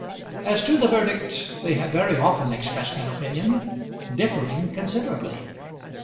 As to the verdict they had very often expressed an opinion differing considerably.